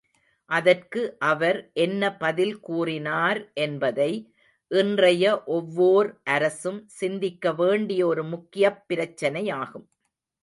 அதற்கு அவர் என்ன பதில் கூறினார் என்பதை இன்றைய ஒவ்வோர் அரசும் சிந்திக்க வேண்டிய ஒரு முக்கியப் பிரச்சினையாகும்.